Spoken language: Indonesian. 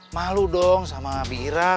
malu dong sama birah